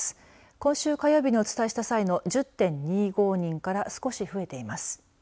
今週火曜日にお伝えした際の１０．２５人から少し増えています。